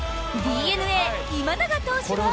ＤｅＮＡ今永投手も。